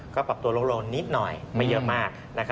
ก็ปรับตัวลงนิดหน่อยไม่เยอะมาก